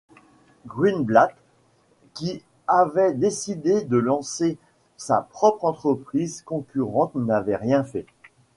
Greenblatt qui avait décidé de lancer sa propre entreprise concurrente n'avait rien fait.